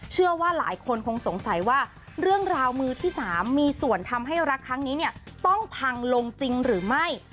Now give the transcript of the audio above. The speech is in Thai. เชื่อว่าหลายคนคงสงสัยว่าเรื่องราวมือที่๓มีส่วนทำให้รักครั้งนี้เนี่ยต้องพังลงจริงหรือไม่